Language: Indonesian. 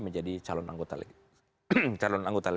menjadi calon anggota